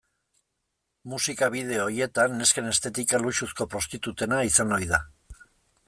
Musika bideo horietan nesken estetika luxuzko prostitutena izan ohi da.